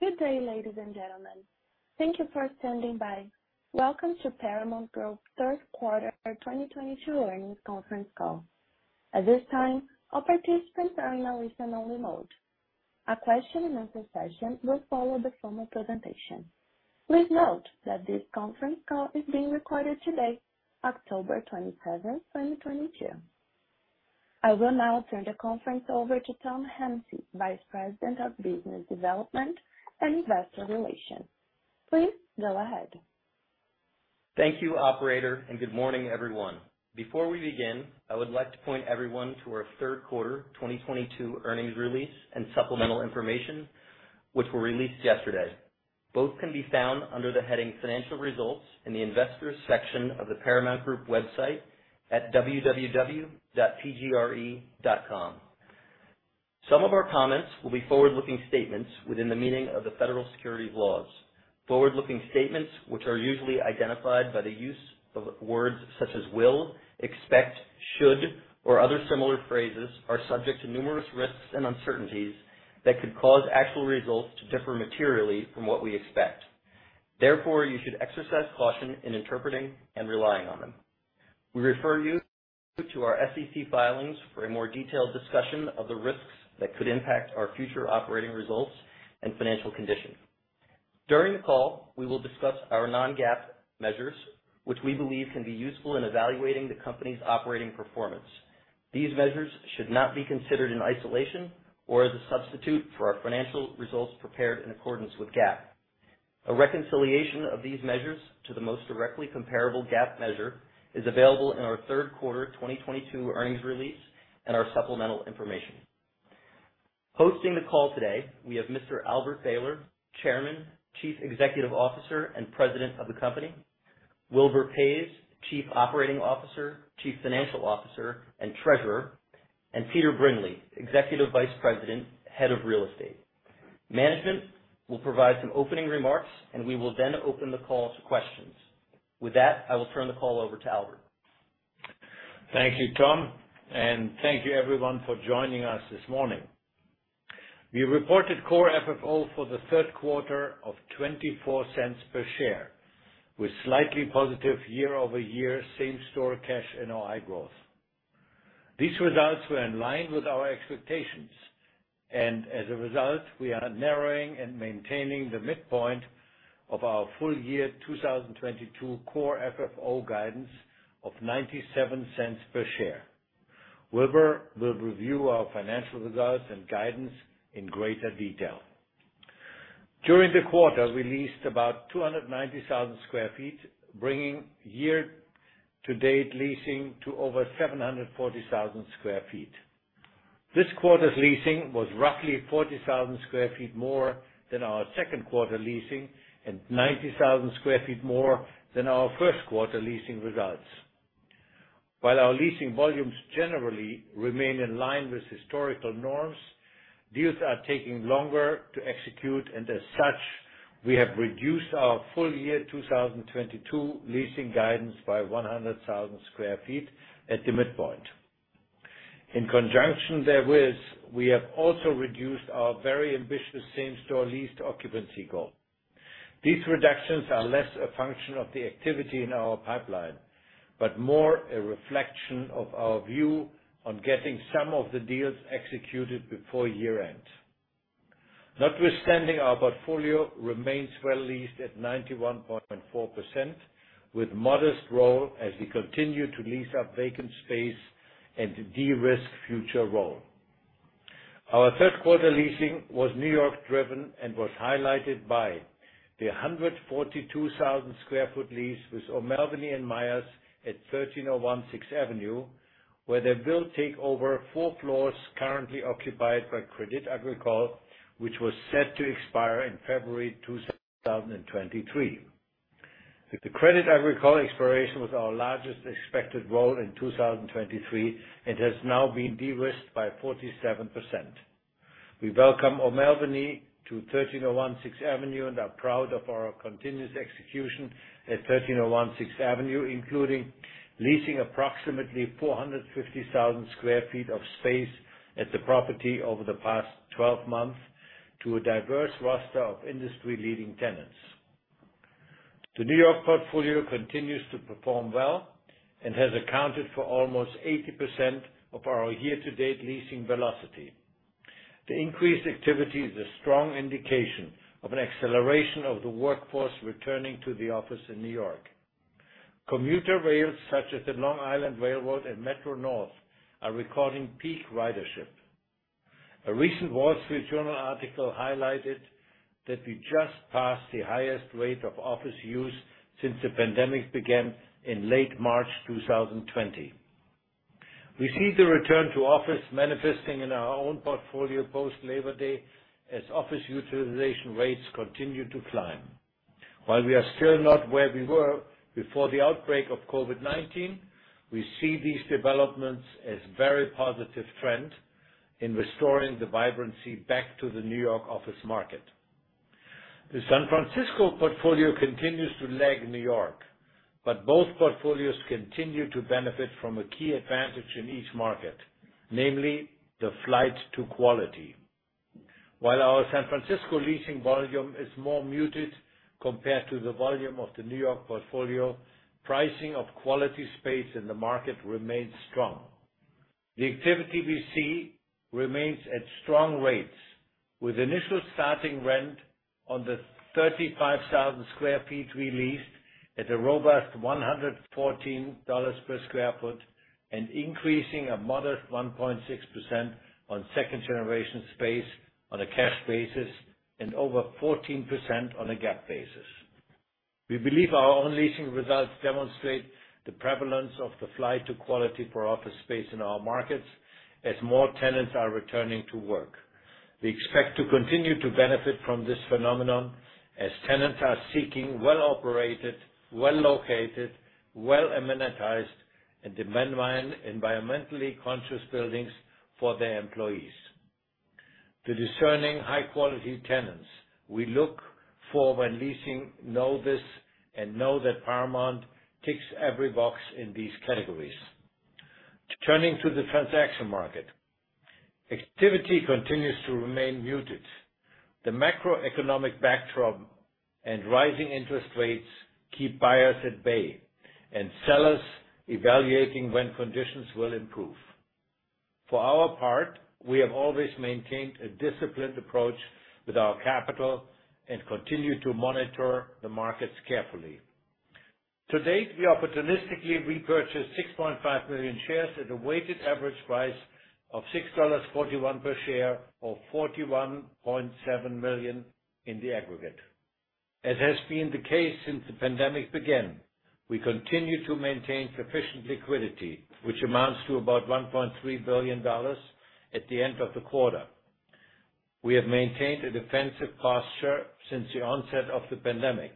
Good day, ladies and gentlemen. Thank you for standing by. Welcome to Paramount Group Q3 of 2022 earnings conference call. At this time, all participants are in a listen only mode. Q&A session will follow the formal presentation. Please note that this conference call is being recorded today, October 27th, 2022. I will now turn the conference over to Tom Hennessy, Vice President of Business Development and Investor Relations. Please go ahead. Thank you, operator, and good morning, everyone. Before we begin, I would like to point everyone to our Q3 2022 earnings release and supplemental information, which were released yesterday. Both can be found under the heading Financial Results in the Investors section of the Paramount Group website at www.pgre.com. Some of our comments will be forward-looking statements within the meaning of the federal securities laws. Forward-looking statements, which are usually identified by the use of words such as will, expect, should, or other similar phrases, are subject to numerous risks and uncertainties that could cause actual results to differ materially from what we expect. Therefore, you should exercise caution in interpreting and relying on them. We refer you to our SEC filings for a more detailed discussion of the risks that could impact our future operating results and financial condition. During the call, we will discuss our non-GAAP measures, which we believe can be useful in evaluating the company's operating performance. These measures should not be considered in isolation or as a substitute for our financial results prepared in accordance with GAAP. A reconciliation of these measures to the most directly comparable GAAP measure is available in our Q3 2022 earnings release and our supplemental information. Hosting the call today, we have Mr. Albert Behler, Chairman, Chief Executive Officer, and President of the company, Wilbur Paes, Chief Operating Officer, Chief Financial Officer, and Treasurer, and Peter Brindley, Executive Vice President, Head of Real Estate. Management will provide some opening remarks, and we will then open the call to questions. With that, I will turn the call over to Albert. Thank you, Tom, and thank you everyone for joining us this morning. We reported Core FFO for the Q3 of 24 cents per share, with slightly positive year-over-year Same-Store Cash NOI growth. These results were in line with our expectations, and as a result, we are narrowing and maintaining the midpoint of our full year 2022 Core FFO guidance of 97 cents per share. Wilbur will review our financial results and guidance in greater detail. During the quarter, we leased about 290,000 sq ft, bringing year-to-date leasing to over 740,000 sq ft. This quarter's leasing was roughly 40,000 sq ft more than our Q2 leasing and 90,000 sq ft more than our Q1 leasing results. While our leasing volumes generally remain in line with historical norms, deals are taking longer to execute, and as such, we have reduced our full year 2022 leasing guidance by 100,000 sq ft at the midpoint. In conjunction therewith, we have also reduced our very ambitious same-store leased occupancy goal. These reductions are less a function of the activity in our pipeline, but more a reflection of our view on getting some of the deals executed before year-end. Notwithstanding, our portfolio remains well leased at 91.4%, with modest roll as we continue to lease up vacant space and to de-risk future roll. Our Q3 leasing was New York driven and was highlighted by the 142,000 sq ft lease with O'Melveny & Myers at 1301 Sixth Avenue, where they will take over four floors currently occupied by Crédit Agricole, which was set to expire in February 2023. The Crédit Agricole expiration was our largest expected roll in 2023 and has now been de-risked by 47%. We welcome O'Melveny to 1301 Sixth Avenue and are proud of our continuous execution at 1301 Sixth Avenue, including leasing approximately 450,000 sq ft of space at the property over the past twelve months to a diverse roster of industry-leading tenants. The New York portfolio continues to perform well and has accounted for almost 80% of our year-to-date leasing velocity. The increased activity is a strong indication of an acceleration of the workforce returning to the office in New York. Commuter rails such as the Long Island Rail Road and Metro-North Railroad are recording peak ridership. A recent The Wall Street Journal article highlighted that we just passed the highest rate of office use since the pandemic began in late March 2020. We see the return to office manifesting in our own portfolio post-Labor Day as office utilization rates continue to climb. While we are still not where we were before the outbreak of COVID-19, we see these developments as very positive trend in restoring the vibrancy back to the New York office market. The San Francisco portfolio continues to lag New York. Both portfolios continue to benefit from a key advantage in each market, namely the flight to quality. While our San Francisco leasing volume is more muted compared to the volume of the New York portfolio, pricing of quality space in the market remains strong. The activity we see remains at strong rates, with initial starting rent on the 35,000 sq ft we leased at a robust $114 per sq ft and increasing a modest 1.6% on second-generation space on a cash basis and over 14% on a GAAP basis. We believe our own leasing results demonstrate the prevalence of the flight to quality for office space in our markets as more tenants are returning to work. We expect to continue to benefit from this phenomenon as tenants are seeking well-operated, well-located, well-amenitized, and in-demand environmentally conscious buildings for their employees. The discerning high-quality tenants we look for when leasing know this and know that Paramount ticks every box in these categories. Turning to the transaction market. Activity continues to remain muted. The macroeconomic backdrop and rising interest rates keep buyers at bay and sellers evaluating when conditions will improve. For our part, we have always maintained a disciplined approach with our capital and continue to monitor the markets carefully. To date, we opportunistically repurchased 6.5 million shares at a weighted average price of $6.41 per share, or $41.7 million in the aggregate. As has been the case since the pandemic began, we continue to maintain sufficient liquidity, which amounts to about $1.3 billion at the end of the quarter. We have maintained a defensive posture since the onset of the pandemic.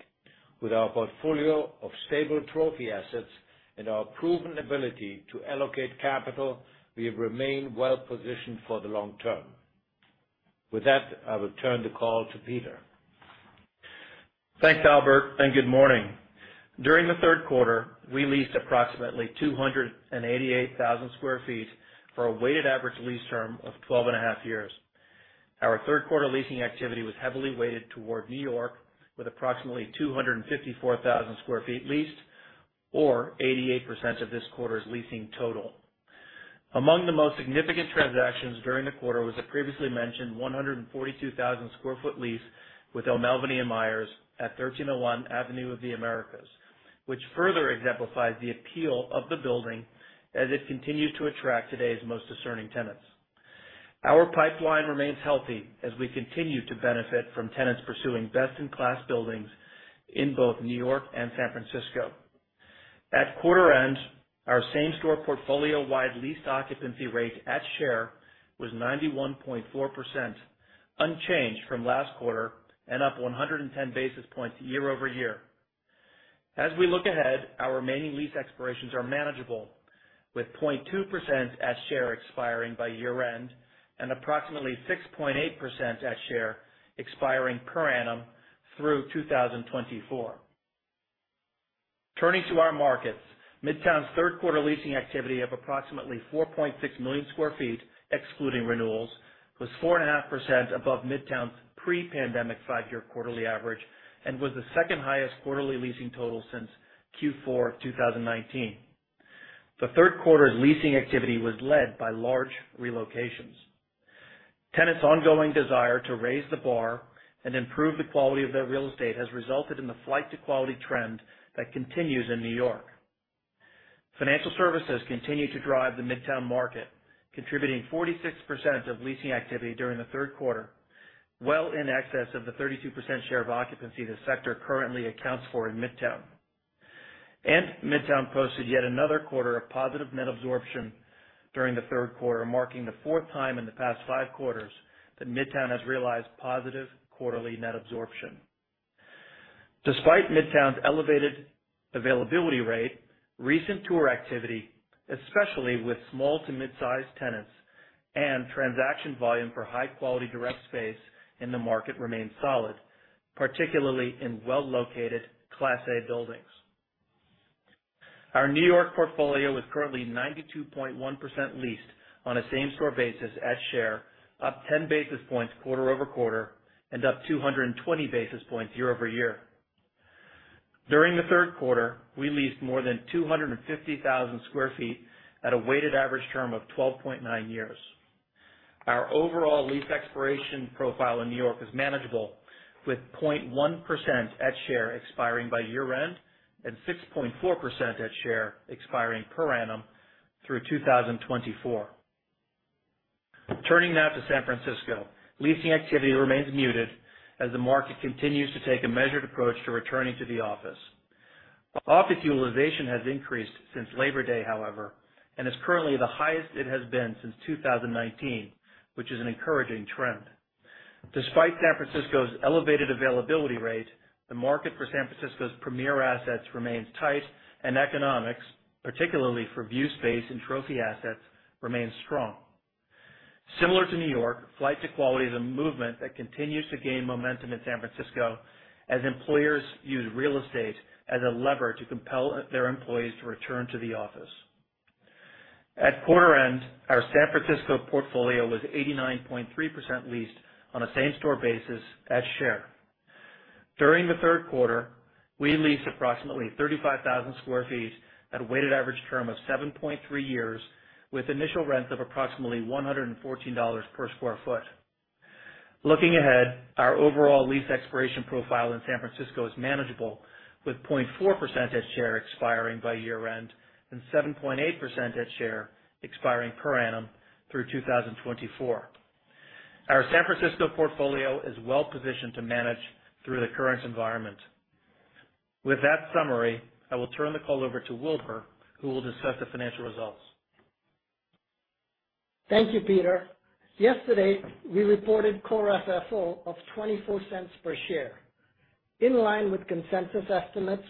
With our portfolio of stable trophy assets and our proven ability to allocate capital, we have remained well positioned for the long term. With that, I will turn the call to Peter. Thanks, Albert, and good morning. During the Q3, we leased approximately 288,000 sq ft for a weighted average lease term of 12.5 years. Our Q3 leasing activity was heavily weighted toward New York, with approximately 254,000 sq ft leased, or 88% of this quarter's leasing total. Among the most significant transactions during the quarter was the previously mentioned 142,000 sq ft lease with O'Melveny & Myers at 1301 Avenue of the Americas, which further exemplifies the appeal of the building as it continues to attract today's most discerning tenants. Our pipeline remains healthy as we continue to benefit from tenants pursuing best-in-class buildings in both New York and San Francisco. At quarter end, our same-store portfolio-wide lease occupancy rate at share was 91.4%, unchanged from last quarter and up 110 basis points year-over-year. As we look ahead, our remaining lease expirations are manageable, with 0.2% at share expiring by year-end and approximately 6.8% at share expiring per annum through 2024. Turning to our markets. Midtown's Q3 leasing activity of approximately 4.6 million sq ft, excluding renewals, was 4.5% above Midtown's pre-pandemic 5-year quarterly average and was the second highest quarterly leasing total since Q4 2019. The Q3's leasing activity was led by large relocations. Tenants' ongoing desire to raise the bar and improve the quality of their real estate has resulted in the flight to quality trend that continues in New York. Financial services continue to drive the Midtown market, contributing 46% of leasing activity during the Q3, well in excess of the 32% share of occupancy the sector currently accounts for in Midtown. Midtown posted yet another quarter of positive net absorption during the Q3, marking the fourth time in the past 5 quarters that Midtown has realized positive quarterly net absorption. Despite Midtown's elevated availability rate, recent tour activity, especially with small to mid-sized tenants, and transaction volume for high-quality direct space in the market remains solid, particularly in well-located Class A buildings. Our New York portfolio is currently 92.1% leased on a same-store basis at share, up 10 basis points quarter-over-quarter and up 220 basis points year-over-year. During the Q3, we leased more than 250,000 sq ft at a weighted average term of 12.9 years. Our overall lease expiration profile in New York is manageable, with 0.1% at share expiring by year-end and 6.4% at share expiring per annum through 2024. Turning now to San Francisco. Leasing activity remains muted as the market continues to take a measured approach to returning to the office. Office utilization has increased since Labor Day, however, and is currently the highest it has been since 2019, which is an encouraging trend. Despite San Francisco's elevated availability rate, the market for San Francisco's premier assets remains tight, and economics, particularly for view space and trophy assets, remains strong. Similar to New York, flight to quality is a movement that continues to gain momentum in San Francisco as employers use real estate as a lever to compel their employees to return to the office. At quarter end, our San Francisco portfolio was 89.3% leased on a same-store basis at share. During the Q3, we leased approximately 35,000 sq ft at a weighted average term of 7.3 years, with initial rents of approximately $114 per sq ft. Looking ahead, our overall lease expiration profile in San Francisco is manageable, with 0.4% at share expiring by year-end and 7.8% at share expiring per annum through 2024. Our San Francisco portfolio is well-positioned to manage through the current environment. With that summary, I will turn the call over to Wilbur, who will discuss the financial results. Thank you, Peter. Yesterday, we reported Core FFO of $0.24 per share, in line with consensus estimates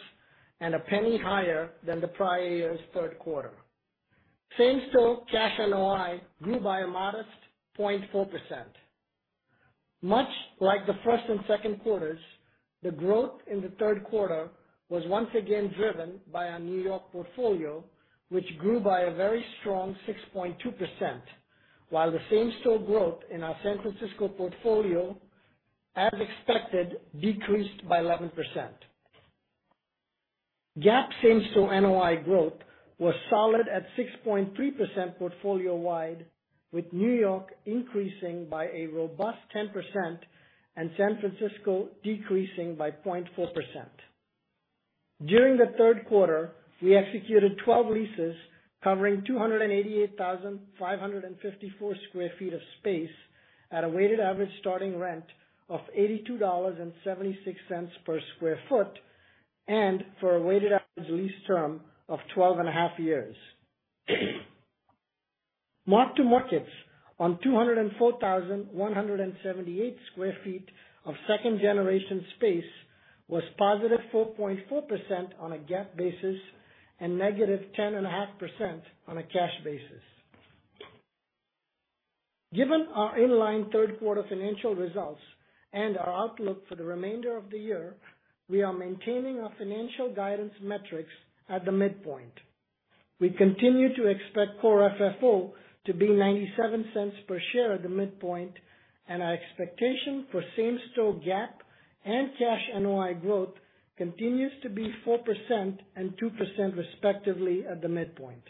and a penny higher than the prior year's Q3. Same-Store Cash NOI grew by a modest 0.4%. Much like the first and Q2s, the growth in the Q3 was once again driven by our New York portfolio, which grew by a very strong 6.2%, while the same-store growth in our San Francisco portfolio, as expected, decreased by 11%. GAAP same-store NOI growth was solid at 6.3% portfolio-wide, with New York increasing by a robust 10% and San Francisco decreasing by 0.4%. During the Q3, we executed 12 leases covering 288,554 sq ft of space at a weighted average starting rent of $82.76 per sq ft, and for a weighted average lease term of 12.5 years. Mark-to-markets on 204,178 sq ft of second-generation space was positive 4.4% on a GAAP basis and negative 10.5% on a cash basis. Given our in-line Q3 financial results and our outlook for the remainder of the year, we are maintaining our financial guidance metrics at the midpoint. We continue to expect core FFO to be $0.97 per share at the midpoint, and our expectation for same-store GAAP and cash NOI growth continues to be 4% and 2% respectively at the midpoint.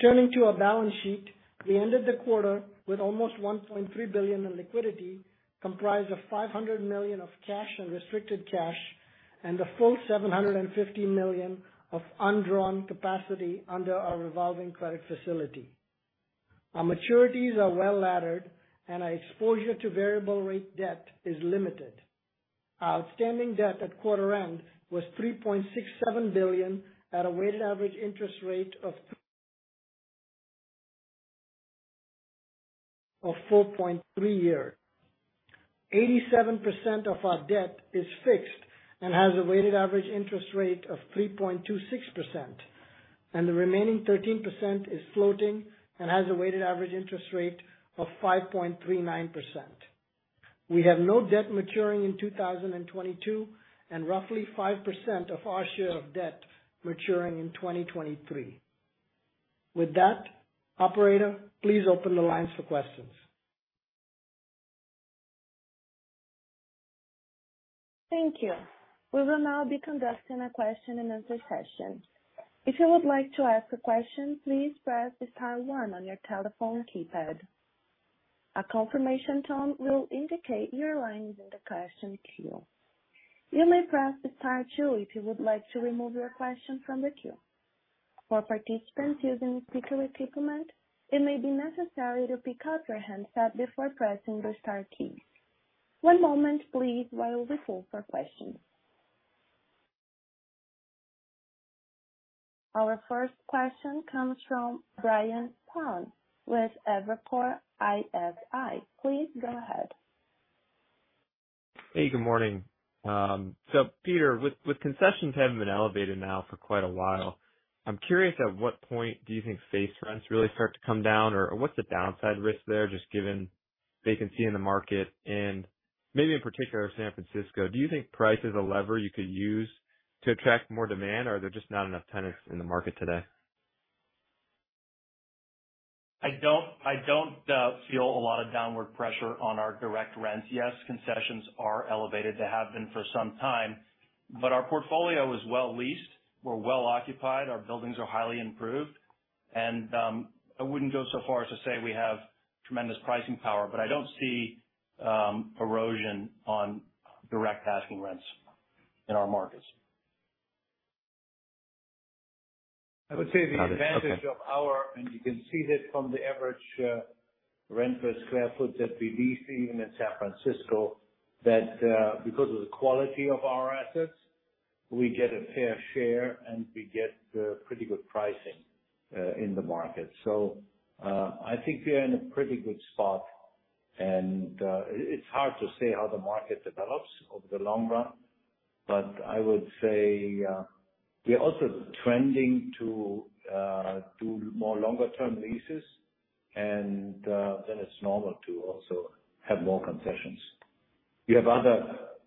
Turning to our balance sheet, we ended the quarter with almost $1.3 billion in liquidity, comprised of $500 million of cash and restricted cash and a full $750 million of undrawn capacity under our revolving credit facility. Our maturities are well-laddered and our exposure to variable rate debt is limited. Our outstanding debt at quarter end was $3.67 billion at a weighted average interest rate of 4.3%. 87% of our debt is fixed and has a weighted average interest rate of 3.26%, and the remaining 13% is floating and has a weighted average interest rate of 5.39%. We have no debt maturing in 2022 and roughly 5% of our share of debt maturing in 2023. With that, operator, please open the lines for questions. Thank you. We will now be conducting a question-and-answer session. If you would like to ask a question, please press the star one on your telephone keypad. A confirmation tone will indicate your line is in the question queue. You may press star two if you would like to remove your question from the queue. For participants using speaker equipment, it may be necessary to pick up your handset before pressing the star key. One moment please while we look for questions. Our first question comes from Steve Sakwa with Evercore ISI. Please go ahead. Hey, good morning. Peter, with concessions having been elevated now for quite a while, I'm curious at what point do you think face rents really start to come down or what's the downside risk there, just given vacancy in the market and maybe in particular San Francisco? Do you think price is a lever you could use to attract more demand, or are there just not enough tenants in the market today? I don't feel a lot of downward pressure on our direct rents. Yes, concessions are elevated. They have been for some time. Our portfolio is well leased. We're well occupied. Our buildings are highly improved. I wouldn't go so far as to say we have tremendous pricing power, but I don't see erosion on direct asking rents in our markets. I would say the advantage of our, and you can see that from the average, rent per sq ft that we lease even in San Francisco, that, because of the quality of our assets, we get a fair share, and we get, pretty good pricing, in the market. I think we are in a pretty good spot. It's hard to say how the market develops over the long run. I would say, we're also trending to do more longer term leases and then it's normal to also have more concessions. We have other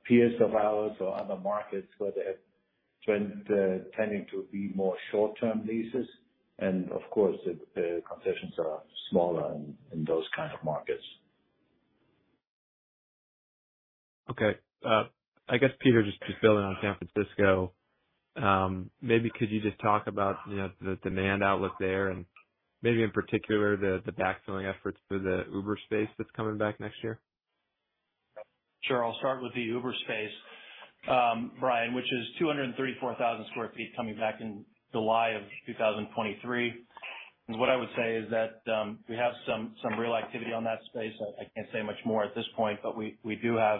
peers of ours or other markets where they have tending to be more short-term leases and of course the concessions are smaller in those kind of markets. Okay. I guess, Peter, just to build on San Francisco, maybe could you just talk about, you know, the demand outlook there and maybe in particular the backfilling efforts for the Uber space that's coming back next year? Sure. I'll start with the Uber space, Steve, which is 234,000 sq ft coming back in July 2023. What I would say is that, we have some real activity on that space. I can't say much more at this point, but we do have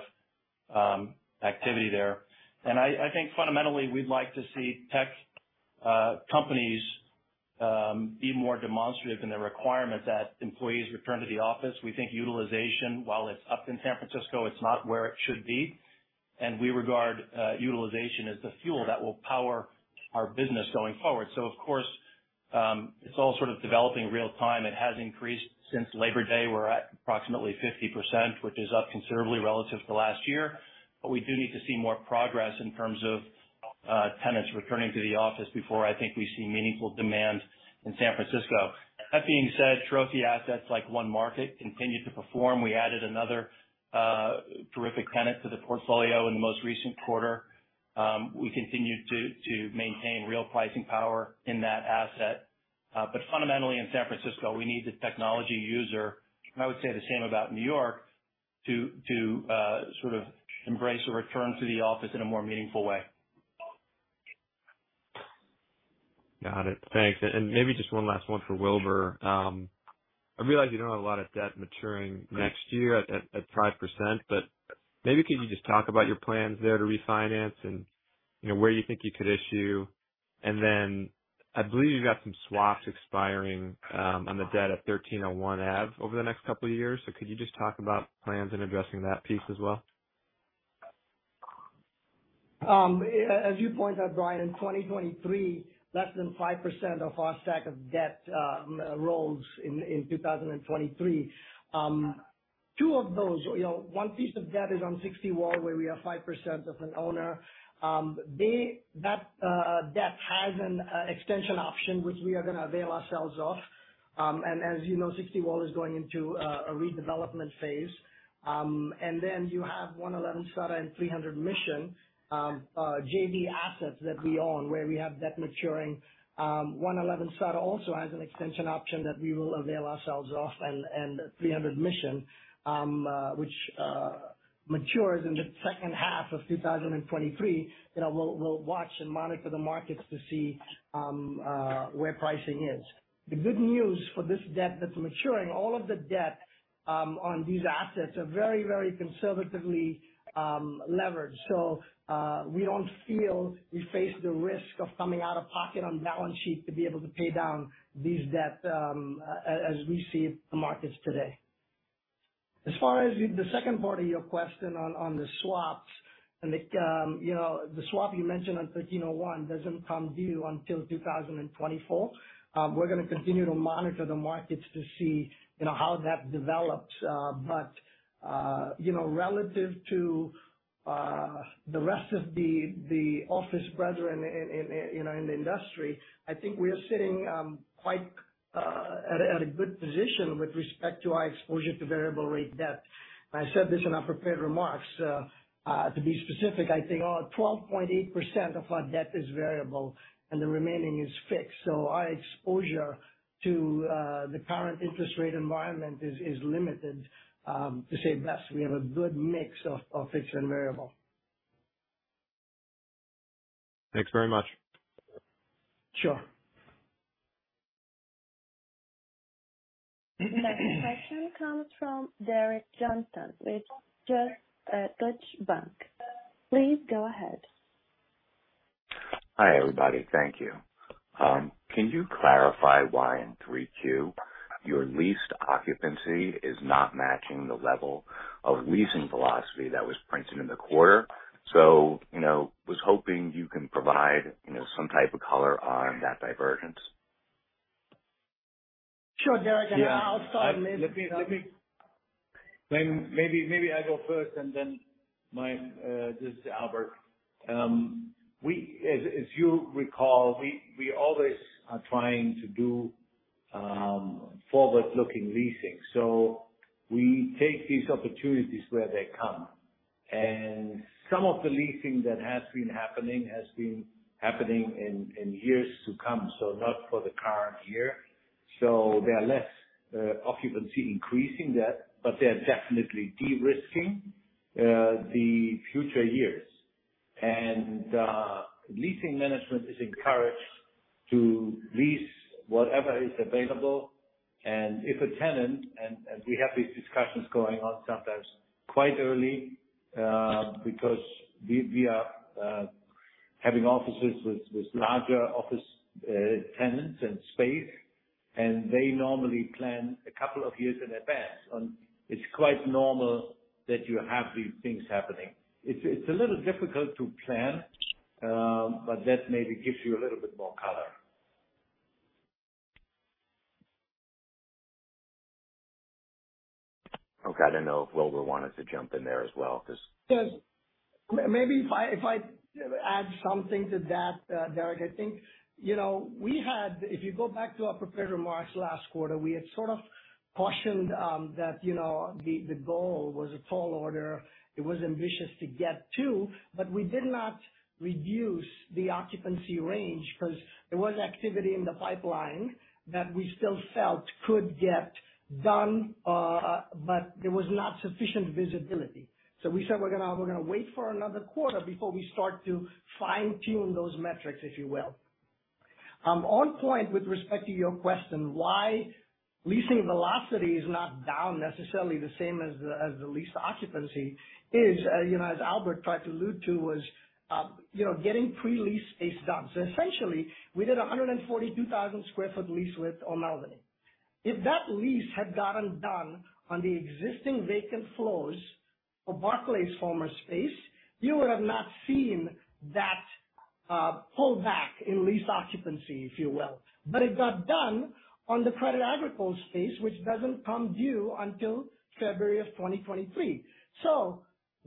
activity there. I think fundamentally we'd like to see tech companies be more demonstrative in the requirements that employees return to the office. We think utilization, while it's up in San Francisco, it's not where it should be. We regard utilization as the fuel that will power our business going forward. Of course, it's all sort of developing real time. It has increased since Labor Day. We're at approximately 50%, which is up considerably relative to last year. We do need to see more progress in terms of tenants returning to the office before I think we see meaningful demand in San Francisco. That being said, trophy assets like One Market continue to perform. We added another terrific tenant to the portfolio in the most recent quarter. We continue to maintain real pricing power in that asset. Fundamentally in San Francisco, we need the technology user, and I would say the same about New York, to sort of embrace a return to the office in a more meaningful way. Got it. Thanks. Maybe just one last one for Wilbur. I realize you don't have a lot of debt maturing next year at 5%, but maybe could you just talk about your plans there to refinance and, you know, where you think you could issue? I believe you've got some swaps expiring on the debt at 1301 Ave over the next couple of years. Could you just talk about plans in addressing that piece as well? As you point out, Steve, in 2023, less than 5% of our stack of debt rolls in in 2023. Two of those, you know, one piece of debt is on 60 Wall, where we are 5% of an owner. That debt has an extension option which we are gonna avail ourselves of. As you know, 60 Wall is going into a redevelopment phase. Then you have 111 Sutter and 300 Mission, JV assets that we own where we have debt maturing. 111 Sutter also has an extension option that we will avail ourselves of. 300 Mission, which matures in the H2 of 2023. You know, we'll watch and monitor the markets to see where pricing is. The good news for this debt that's maturing, all of the debt on these assets are very, very conservatively leveraged. We don't feel we face the risk of coming out of pocket on balance sheet to be able to pay down these debt as we see the markets today. As far as the second part of your question on the swaps and the swap you mentioned on 1301 doesn't come due until 2024. We're gonna continue to monitor the markets to see, you know, how that develops. You know, relative to the rest of the office brethren in the industry, I think we are sitting quite at a good position with respect to our exposure to variable rate debt. I said this in our prepared remarks. To be specific, I think 12.8% of our debt is variable and the remaining is fixed. Our exposure to the current interest rate environment is limited. To say that we have a good mix of fixed and variable. Thanks very much. Sure. The next question comes from Derek Johnston with Deutsche Bank. Please go ahead. Hi, everybody. Thank you. Can you clarify why in 3Q your leased occupancy is not matching the level of leasing velocity that was printed in the quarter? You know, was hoping you can provide, you know, some type of color on that divergence. Sure, Derek. I'll start maybe. Let me go first and then Mike. This is Albert. We, as you recall, we always are trying to do forward-looking leasing. We take these opportunities where they come. Some of the leasing that has been happening has been happening in years to come. Not for the current year. They are less occupancy increasing that, but they are definitely de-risking the future years. Leasing management is encouraged to lease whatever is available and if a tenant, and we have these discussions going on sometimes quite early, because we are having offices with larger office tenants and space, and they normally plan a couple of years in advance. It's quite normal that you have these things happening. It's a little difficult to plan, but that maybe gives you a little bit more color. Okay. I don't know if Wilbur wanted to jump in there as well. Yes. Maybe if I add something to that, Derek. I think, you know, if you go back to our prepared remarks last quarter, we had sort of cautioned that, you know, the goal was a tall order, it was ambitious to get to, but we did not reduce the occupancy range because there was activity in the pipeline that we still felt could get done, but there was not sufficient visibility. We said, we're gonna wait for another quarter before we start to fine tune those metrics, if you will. On point with respect to your question, why leasing velocity is not down necessarily the same as the lease occupancy is, you know, as Albert tried to allude to was, you know, getting pre-lease space done. Essentially, we did a 142,000 sq ft lease with O'Melveny. If that lease had gotten done on the existing vacant floors of Barclays' former space, you would have not seen that pull back in lease occupancy, if you will. It got done on the Crédit Agricole space, which doesn't come due until February of 2023.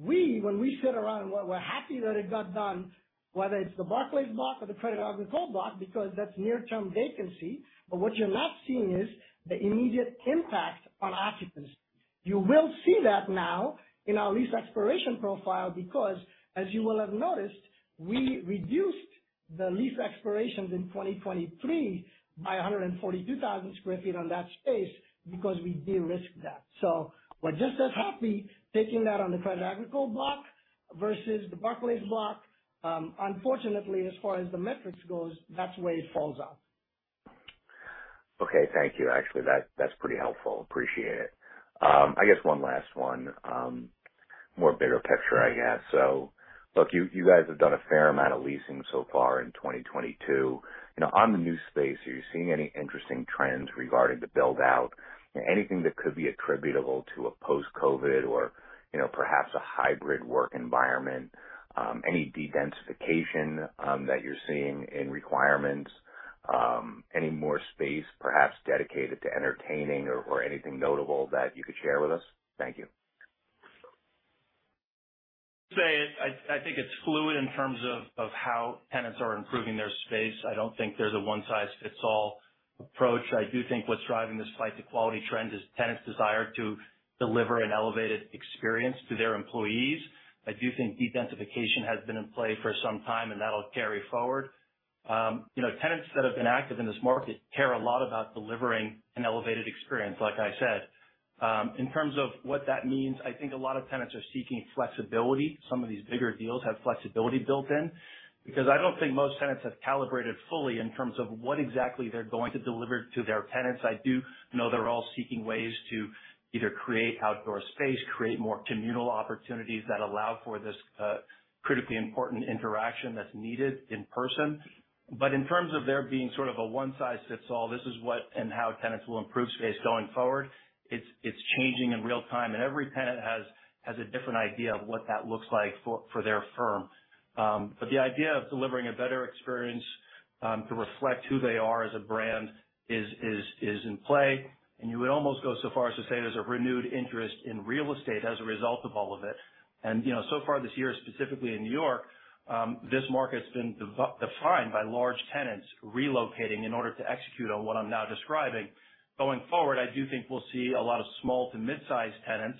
We, when we sit around, we're happy that it got done, whether it's the Barclays block or the Crédit Agricole block, because that's near-term vacancy. What you're not seeing is the immediate impact on occupancy. You will see that now in our lease expiration profile because, as you will have noticed, we reduced the lease expirations in 2023 by 142,000 sq ft on that space because we de-risked that. We're just as happy taking that on the Crédit Agricole block versus the Barclays block. Unfortunately, as far as the metrics goes, that's the way it falls out. Okay. Thank you. Actually that's pretty helpful. Appreciate it. I guess one last one. More bigger picture, I guess. Look, you guys have done a fair amount of leasing so far in 2022. You know, on the new space, are you seeing any interesting trends regarding the build out? Anything that could be attributable to a post-COVID or, you know, perhaps a hybrid work environment? Any de-densification that you're seeing in requirements? Any more space perhaps dedicated to entertaining or anything notable that you could share with us? Thank you. I think it's fluid in terms of how tenants are improving their space. I don't think there's a one size fits all approach. I do think what's driving this flight to quality trend is tenants' desire to deliver an elevated experience to their employees. I do think de-densification has been in play for some time, and that'll carry forward. You know, tenants that have been active in this market care a lot about delivering an elevated experience, like I said. In terms of what that means, I think a lot of tenants are seeking flexibility. Some of these bigger deals have flexibility built in because I don't think most tenants have calibrated fully in terms of what exactly they're going to deliver to their tenants. I do know they're all seeking ways to either create outdoor space, create more communal opportunities that allow for this, critically important interaction that's needed in person. In terms of there being sort of a one size fits all, this is what and how tenants will improve space going forward. It's changing in real time, and every tenant has a different idea of what that looks like for their firm. The idea of delivering a better experience, to reflect who they are as a brand is in play, and you would almost go so far as to say there's a renewed interest in real estate as a result of all of it. You know, so far this year, specifically in New York, this market's been defined by large tenants relocating in order to execute on what I'm now describing. Going forward, I do think we'll see a lot of small to mid-size tenants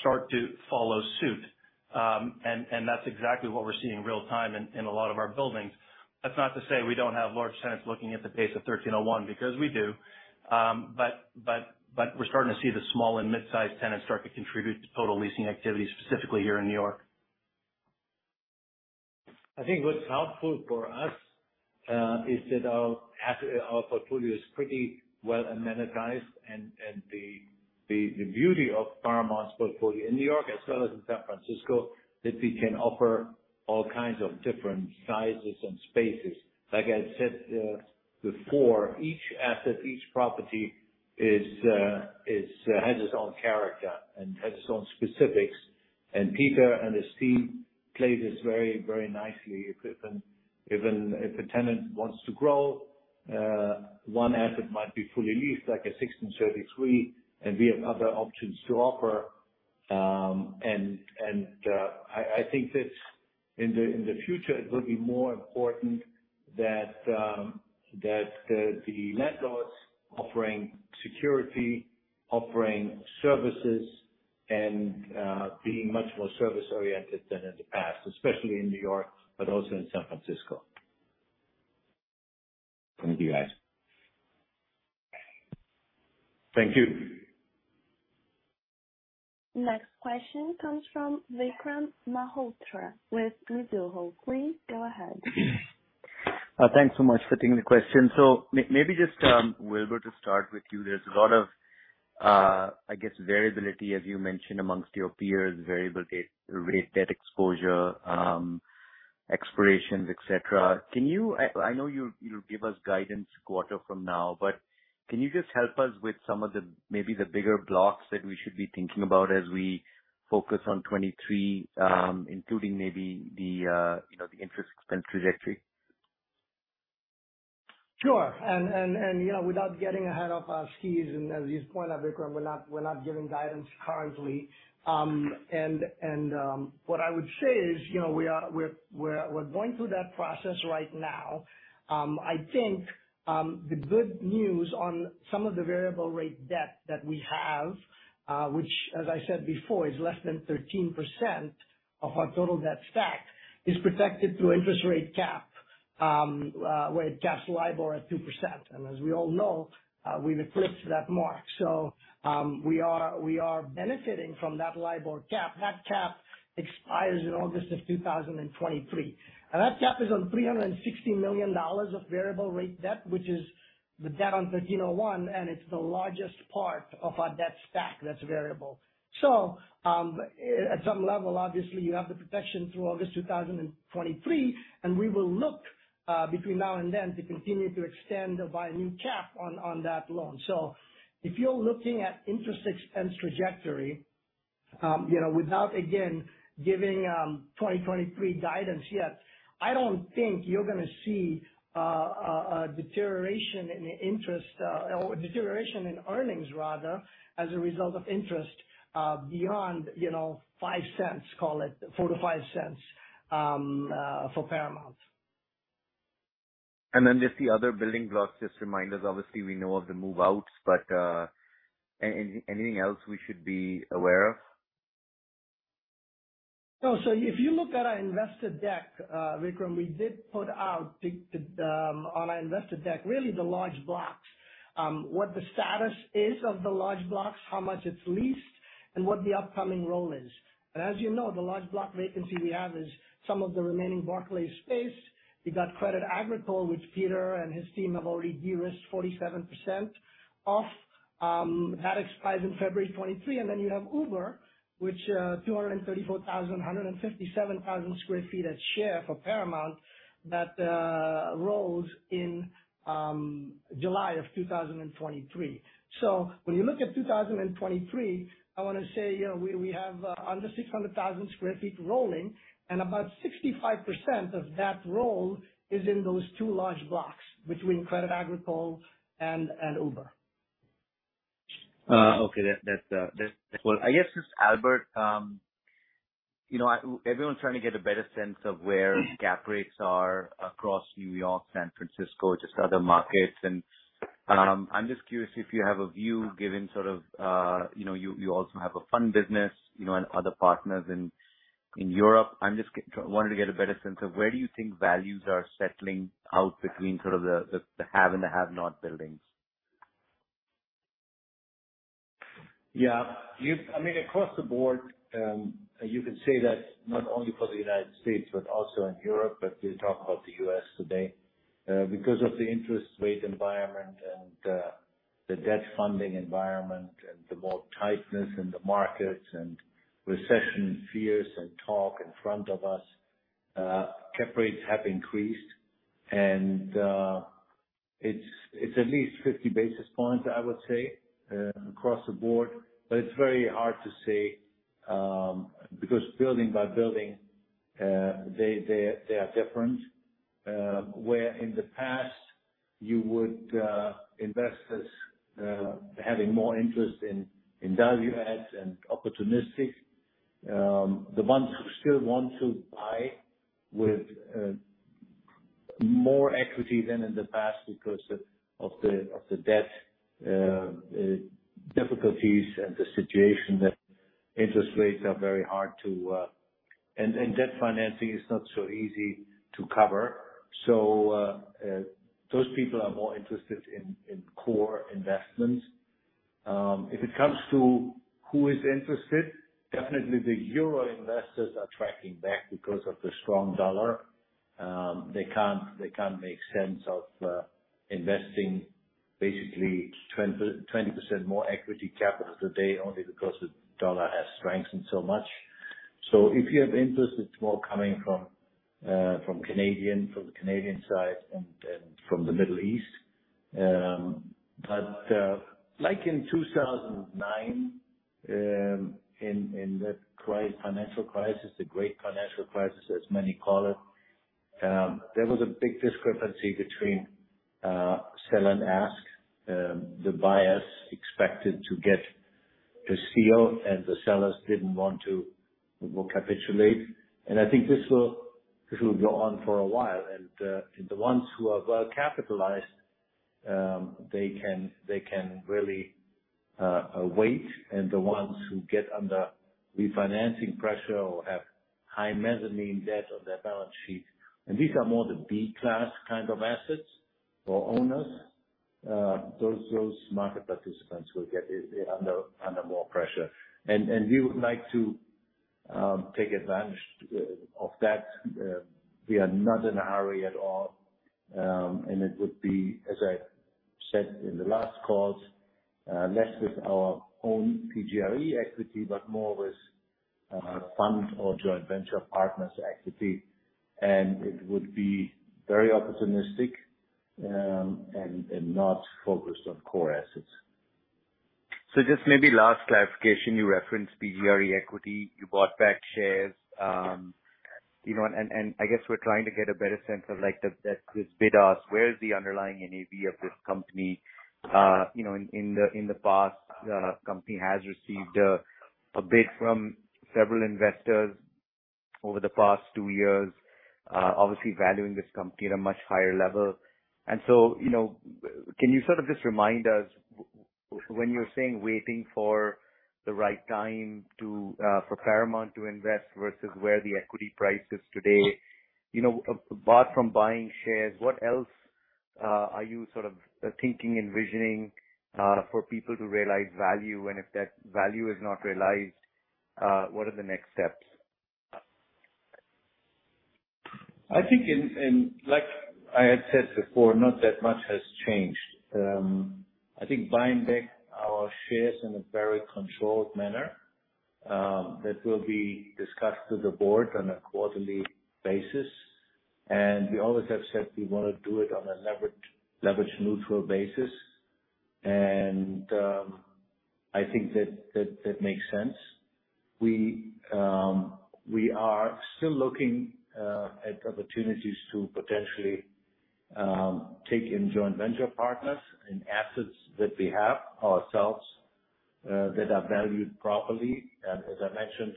start to follow suit. That's exactly what we're seeing in real time in a lot of our buildings. That's not to say we don't have large tenants looking at the space at 1301, because we do. We're starting to see the small and mid-size tenants start to contribute to total leasing activity, specifically here in New York. I think what's helpful for us is that our portfolio is pretty well amenitized, and the beauty of Paramount's portfolio in New York as well as in San Francisco is that we can offer all kinds of different sizes and spaces. Like I said before, each asset, each property has its own character and has its own specifics. Peter and his team play this very, very nicely. If a tenant wants to grow, one asset might be fully leased, like 1633, and we have other options to offer. I think that in the future, it will be more important that the landlords offering security, offering services and being much more service oriented than in the past, especially in New York, but also in San Francisco. Thank you, guys. Thank you. Next question comes from Vikram Malhotra with Mizuho. Please go ahead. Thanks so much for taking the question. Maybe just, Wilbur to start with you. There's a lot of, I guess, variability as you mentioned amongst your peers, variable-rate debt exposure, expirations, et cetera. Can you. I know you'll give us guidance quarter from now, but can you just help us with some of the bigger blocks that we should be thinking about as we focus on 2023, including maybe the, you know, the interest expense trajectory? Sure. You know, without getting ahead of our skis, as you pointed out, Vikram, we're not giving guidance currently. What I would say is, you know, we're going through that process right now. I think the good news on some of the variable rate debt that we have, which as I said before, is less than 13% of our total debt stack, is protected through interest rate cap, where it caps LIBOR at 2%. As we all know, we've eclipsed that mark, so we are benefiting from that LIBOR cap. That cap expires in August 2023. That cap is on $360 million of variable rate debt, which is the debt on 1301, and it's the largest part of our debt stack that's variable. At some level, obviously, you have the protection through August 2023, and we will look between now and then to continue to extend or buy a new cap on that loan. If you're looking at interest expense trajectory, you know, without again giving 2023 guidance yet, I don't think you're gonna see a deterioration in interest or deterioration in earnings rather, as a result of interest, beyond you know, $0.05, call it $0.04-$0.05 for Paramount. Just the other building blocks, just remind us. Obviously, we know of the move-outs, but anything else we should be aware of? No. If you look at our investor deck, Vikram, we did put out on our investor deck really the large blocks, what the status is of the large blocks, how much it's leased, and what the upcoming roll is. As you know, the large block vacancy we have is some of the remaining Barclays space. We've got Crédit Agricole, which Peter and his team have already de-risked 47% off. That expires in February 2023. Then you have Uber, which 234,000, 157,000 sq ft at 250 Park for Paramount that rolls in July 2023. When you look at 2023, I wanna say, you know, we have under 600,000 sq ft rolling, and about 65% of that roll is in those two large blocks between Crédit Agricole and Uber. Okay. That's cool. I guess just Albert, you know, everyone's trying to get a better sense of where cap rates are across New York, San Francisco, just other markets. I'm just curious if you have a view given sort of, you know, you also have a fund business, you know, and other partners in Europe. I'm just trying to get a better sense of where do you think values are settling out between sort of the have and the have-not buildings? Yeah. I mean, across the board, you can say that not only for the United States but also in Europe, but we'll talk about the U.S. today. Because of the interest rate environment and the debt funding environment and the capital tightness in the markets and recession fears and talk of one in front of us, cap rates have increased and it's at least 50 basis points, I would say, across the board. It's very hard to say, because building by building, they are different. Where in the past you would have investors having more interest in value adds and opportunistic, the ones who still want to buy with more equity than in the past because of the debt difficulties and the situation that interest rates are very hard to. Debt financing is not so easy to cover. Those people are more interested in core investments. If it comes to who is interested, definitely the European investors are pulling back because of the strong dollar. They can't make sense of investing basically 20% more equity capital today only because the dollar has strengthened so much. If you have interest, it's more coming from the Canadian side and from the Middle East. Like in 2009, in that financial crisis, the great financial crisis, as many call it, there was a big discrepancy between bid and ask. The buyers expected to get a deal, and the sellers didn't want to capitulate. I think this will go on for a while. The ones who are well capitalized, they can really wait, and the ones who get under refinancing pressure or have high mezzanine debt on their balance sheet, and these are more the B-class kind of assets or owners, those market participants will get under more pressure. We would like to take advantage of that. We are not in a hurry at all. It would be, as I said in the last calls, less with our own PGRE equity, but more with fund or joint venture partners' equity. It would be very opportunistic, and not focused on core assets. Just maybe last clarification. You referenced PGRE equity. You bought back shares. And I guess we're trying to get a better sense of like the, that, this bid ask, where is the underlying NAV of this company? You know, in the past, company has received a bid from several investors over the past two years, obviously valuing this company at a much higher level. You know, can you sort of just remind us when you're saying waiting for the right time to for Paramount to invest versus where the equity price is today, you know, apart from buying shares, what else are you sort of thinking, envisioning for people to realize value? And if that value is not realized, what are the next steps? I think like I had said before, not that much has changed. I think buying back our shares in a very controlled manner, that will be discussed with the board on a quarterly basis. We always have said we wanna do it on a leverage neutral basis. I think that makes sense. We are still looking at opportunities to potentially take in joint venture partners in assets that we have ourselves that are valued properly. As I mentioned,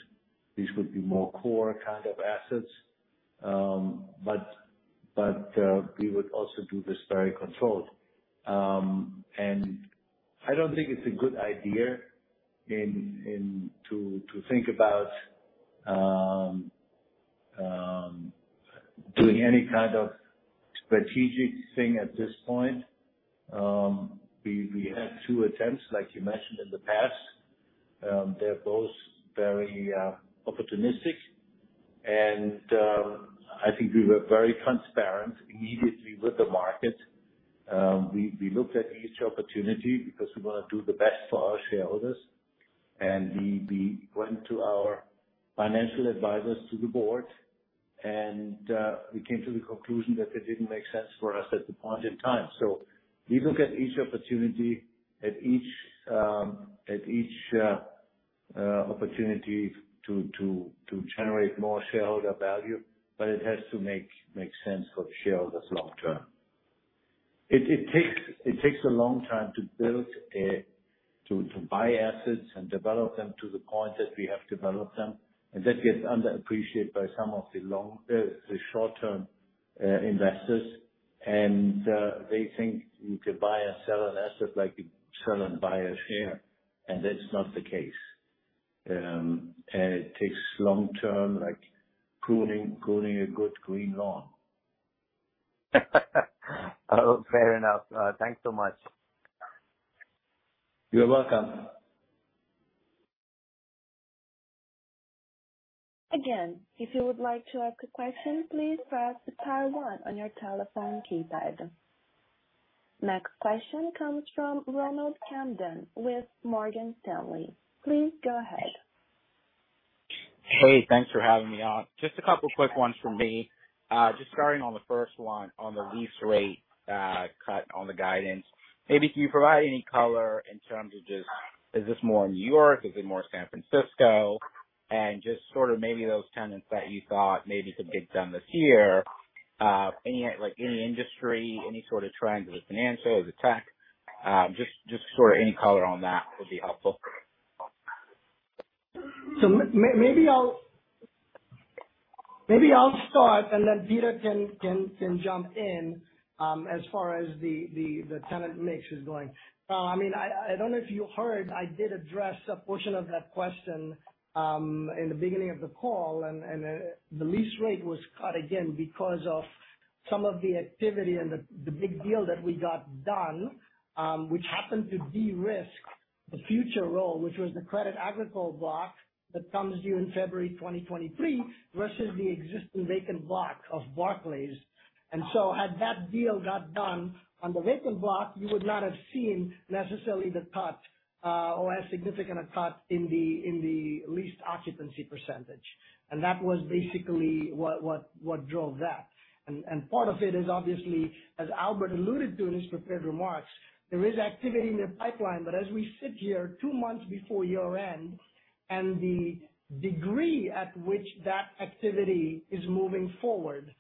these would be more core kind of assets. But we would also do this very controlled. I don't think it's a good idea to think about doing any kind of strategic thing at this point. We had two attempts, like you mentioned in the past. They're both very opportunistic and I think we were very transparent immediately with the market. We looked at each opportunity because we wanna do the best for our shareholders. We went to our financial advisors, to the board, and we came to the conclusion that it didn't make sense for us at the point in time. We look at each opportunity to generate more shareholder value, but it has to make sense for shareholders long term. It takes a long time to buy assets and develop them to the point that we have developed them. That gets underappreciated by some of the short-term investors. They think you could buy and sell an asset like you sell and buy a share, and that's not the case. It takes long term like pruning a good green lawn. Oh, fair enough. Thanks so much. You're welcome. Again, if you would like to ask a question, please press star one on your telephone keypad. Next question comes from Ronald Kamdem with Morgan Stanley. Please go ahead. Hey, thanks for having me on. Just a couple quick ones from me. Just starting on the first one on the lease rate cut on the guidance. Maybe can you provide any color in terms of just is this more New York, is it more San Francisco? Just sort of maybe those tenants that you thought maybe could get done this year, any, like, any industry, any sort of trends? Is it financial? Is it tech? Just sort of any color on that would be helpful. Maybe I'll start and then Peter can jump in, as far as the tenant mix is going. I mean, I don't know if you heard, I did address a portion of that question in the beginning of the call. The lease rate was cut again because of some of the activity and the big deal that we got done, which happened to de-risk the future roll, which was the Crédit Agricole block that comes due in February 2023 versus the existing vacant block of Barclays. Had that deal got done on the vacant block, you would not have seen necessarily the cut, or as significant a cut in the leased occupancy percentage. That was basically what drove that. Part of it is obviously, as Albert alluded to in his prepared remarks, there is activity in the pipeline. But as we sit here two months before year end and the degree at which that activity is moving forward,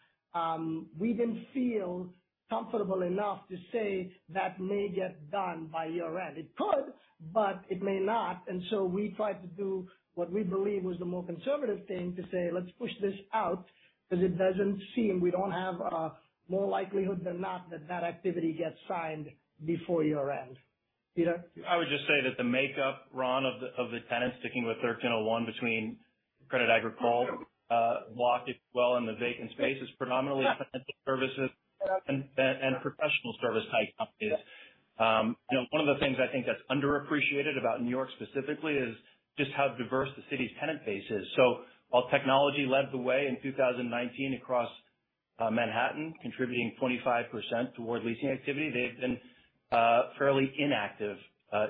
we didn't feel comfortable enough to say that may get done by year end. It could, but it may not. We tried to do what we believe was the more conservative thing to say, let's push this out because it doesn't seem, we don't have a more likelihood than not that that activity gets signed before year end. Peter. I would just say that the makeup, Ron, of the tenants sticking with 1301 between Crédit Agricole, block as well in the vacant space is predominantly financial services and professional service type companies. You know, one of the things I think that's underappreciated about New York specifically is just how diverse the city's tenant base is. While technology led the way in 2019 across Manhattan, contributing 25% toward leasing activity, they've been fairly inactive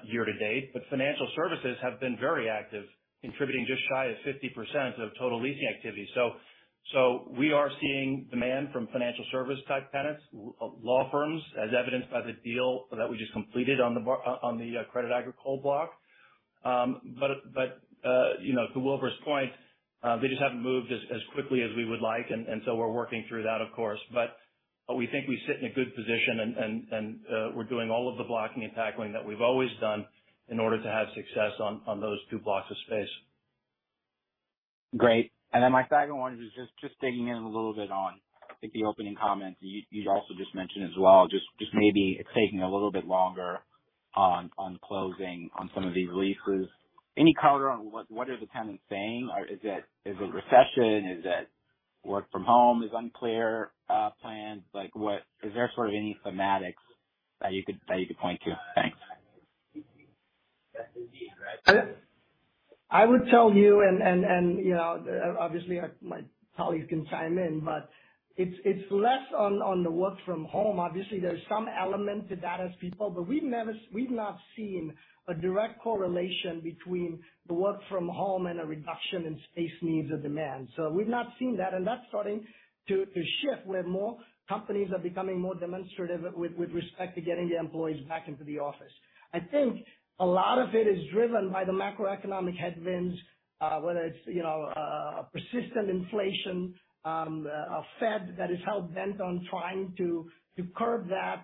year to date. Financial services have been very active, contributing just shy of 50% of total leasing activity. We are seeing demand from financial service type tenants, law firms, as evidenced by the deal that we just completed on the Crédit Agricole block. You know, to Wilbur's point, they just haven't moved as quickly as we would like. We're working through that, of course. We think we sit in a good position and we're doing all of the blocking and tackling that we've always done in order to have success on those two blocks of space. Great. Then my second one is just digging in a little bit on I think the opening comments you also just mentioned as well, just maybe it's taking a little bit longer on closing on some of these leases. Any color on what are the tenants saying? Or is it recession? Is it work from home is unclear plans? Like what? Is there sort of any thematics that you could point to? Thanks. I would tell you and you know obviously my colleagues can chime in, but it's less on the work from home. Obviously, there's some element to that as people, but we've not seen a direct correlation between the work from home and a reduction in space needs or demand. We've not seen that. That's starting to shift, where more companies are becoming more demonstrative with respect to getting their employees back into the office. I think a lot of it is driven by the macroeconomic headwinds, whether it's you know a persistent inflation, a Fed that is hell bent on trying to curb that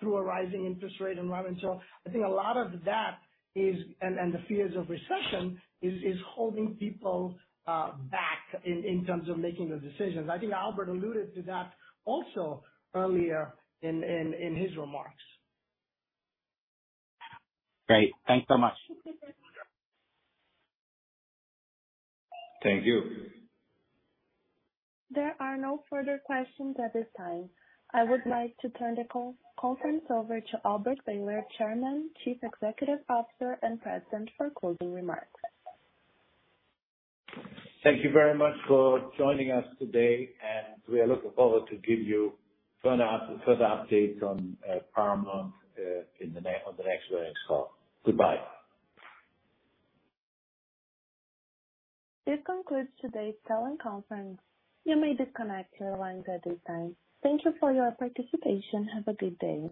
through a rising interest rate environment. I think a lot of that is, and the fears of recession is holding people back in terms of making those decisions. I think Albert alluded to that also earlier in his remarks. Great. Thanks so much. Yeah. Thank you. There are no further questions at this time. I would like to turn the conference over to Albert Behler, Chairman, Chief Executive Officer, and President, for closing remarks. Thank you very much for joining us today. We are looking forward to give you further updates on Paramount on the next earnings call. Goodbye. This concludes today's teleconference. You may disconnect your lines at this time. Thank you for your participation. Have a good day.